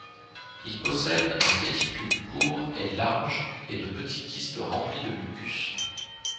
Il possède un pédicule court et large et de petits kystes remplis de mucus.